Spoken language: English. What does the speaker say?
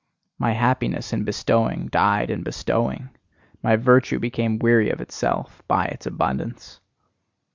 My happiness in bestowing died in bestowing; my virtue became weary of itself by its abundance!